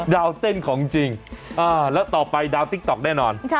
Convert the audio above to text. วเต้นของจริงแล้วต่อไปดาวติ๊กต๊อกแน่นอน